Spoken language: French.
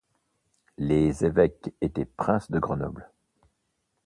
Les évêques étaient princes de Grenoble.